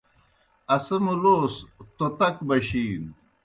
اسہ مُلوس توتک گہ بشِینوْ۔